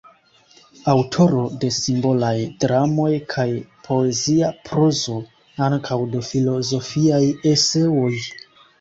Aŭtoro de simbolaj dramoj kaj poezia prozo, ankaŭ de filozofiaj eseoj.